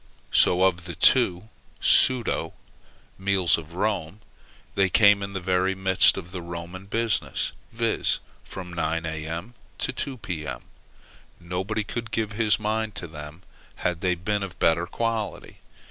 So of the two pseudo meals of Rome, they came in the very midst of the Roman business; viz. from nine, A.M. to two, P.M. Nobody could give his mind to them, had they been of better quality.